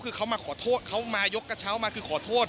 คือเขามาขอโทษเขามายกกระเช้ามาคือขอโทษ